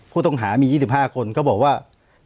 ผู้ต้องหามี๒๕คนก็บอกว่า